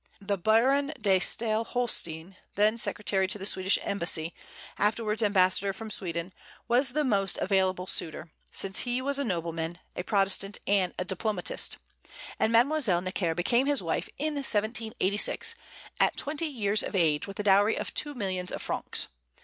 The Baron de Staël Holstein, then secretary to the Swedish embassy, afterwards ambassador from Sweden, was the most available suitor, since he was a nobleman, a Protestant, and a diplomatist; and Mademoiselle Necker became his wife, in 1786, at twenty years of age, with a dowry of two millions of francs.